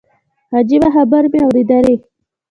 عجيبه خبرې مې اورېدلې.